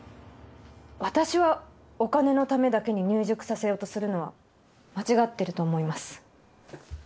私はお金のためだけに入塾させようとするのは間違ってると思います。